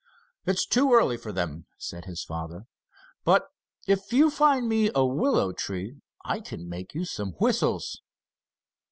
"It's too early for them," said his father. "But if you find me a willow tree, I can make you some whistles."